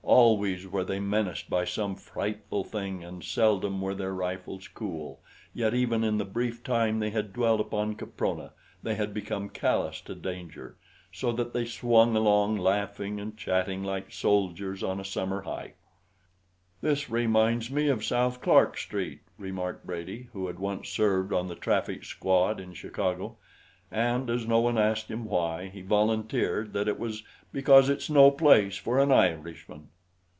Always were they menaced by some frightful thing and seldom were their rifles cool, yet even in the brief time they had dwelt upon Caprona they had become callous to danger, so that they swung along laughing and chatting like soldiers on a summer hike. "This reminds me of South Clark Street," remarked Brady, who had once served on the traffic squad in Chicago; and as no one asked him why, he volunteered that it was "because it's no place for an Irishman."